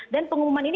dan pengumuman ini